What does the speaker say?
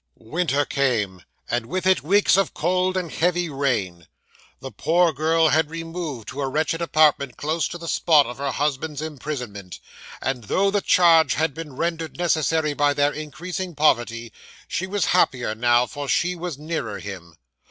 'Winter came, and with it weeks of cold and heavy rain. The poor girl had removed to a wretched apartment close to the spot of her husband's imprisonment; and though the change had been rendered necessary by their increasing poverty, she was happier now, for she was nearer him.